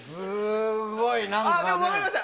分かりました。